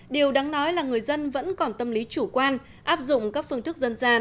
điều đáng nói là người dân vẫn còn tâm lý chủ quan áp dụng các phương thức dân gian